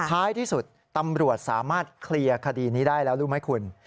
ท้ายที่สุดตำรวจสามารถเคลียร์คดีนี้ได้แล้วรู้ไหมคุณ